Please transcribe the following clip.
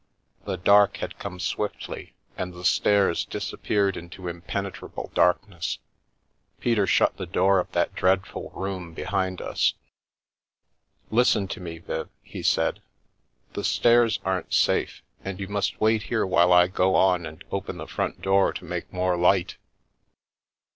The dark had come swiftly, and the stairs disappeared into impenetrable darkness. Peter shut the door of that dreadful room behind us. " Listen to me, Viv," he said, " the stairs aren't safe, and you must wait here while I go on and open the front door to make more light."